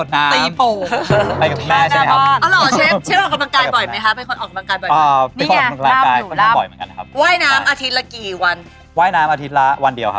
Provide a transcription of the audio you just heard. ถ้าเกิดผมเชื่อว่าผมชอบอะไรเนี่ย